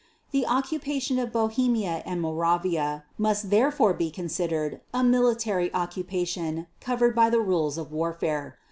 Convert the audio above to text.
The occupation of Bohemia and Moravia must therefore be considered a military occupation covered by the rules of warfare.